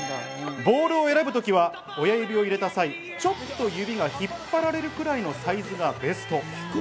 ボールを選ぶときは、親指を入れた際、ちょっと指が引っ張られるくらいのサイズがベスト。